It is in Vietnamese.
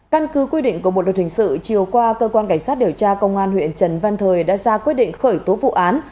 căn cứ quy định của bộ luật hình sự chiều qua cơ quan cảnh sát điều tra công an huyện trần văn thời đã ra quyết định khởi tố vụ án